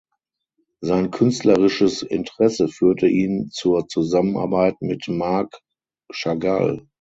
Sein künstlerisches Interesse führte ihn zur Zusammenarbeit mit Marc Chagall.